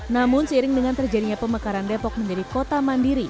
namun seiring dengan terjadinya pemekaran depok menjadi kota mandiri